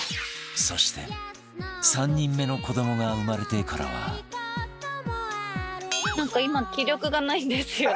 そして３人目の子どもが生まれてからはなんか今気力がないんですよね。